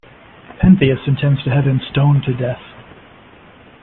Pentheus intends to have him stoned to death.